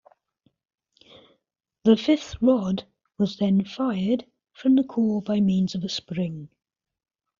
The fifth rod was then fired from the core by means of a spring.